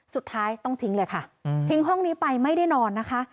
สุดท้ายต้องทิ้งเลยค่ะทิ้งห้องนี้ไปไม่ได้นอนนะคะ